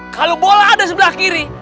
kalau bola ada sebelah kiri